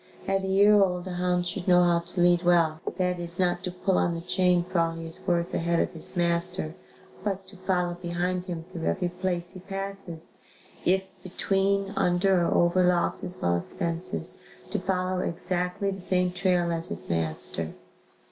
At a year old a hound should know how to lead well, that is not to pull on the chain for all he is worth ahead of his master but to follow behind him through every place he passes, if between, under or over logs as well as fences, to follow exactly the same trail as his master.